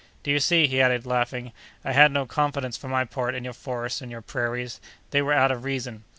Do you see," he added, laughing, "I had no confidence, for my part, in your forests and your prairies; they were out of reason.